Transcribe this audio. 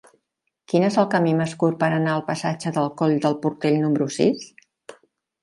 Quin és el camí més curt per anar al passatge del Coll del Portell número sis?